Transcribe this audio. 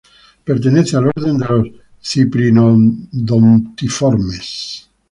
Pertenecen al orden de los ciprinodontiformes.